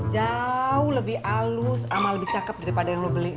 jauh lebih halus sama lebih cakep daripada yang lo beli